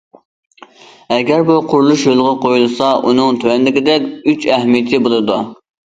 ئەگەر بۇ قۇرۇلۇش يولغا قويۇلسا ئۇنىڭ تۆۋەندىكىدەك ئۈچ ئەھمىيىتى بولىدۇ.